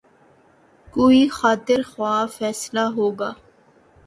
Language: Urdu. کوئی خاطر خواہ فیصلہ ہو گا۔